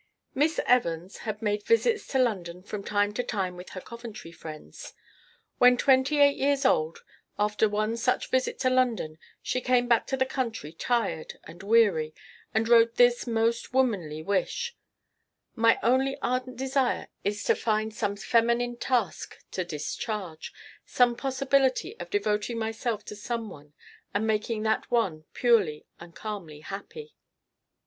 Miss Evans had made visits to London from time to time with her Coventry friends. When twenty eight years old, after one such visit to London, she came back to the country tired and weary, and wrote this most womanly wish: "My only ardent desire is to find some feminine task to discharge; some possibility of devoting myself to some one and making that one purely and calmly happy."